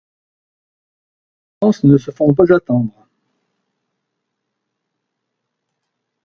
Les conséquences ne se font pas attendre.